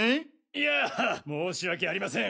いやぁ申し訳ありません